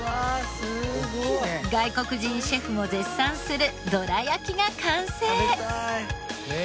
外国人シェフも絶賛するどら焼きが完成。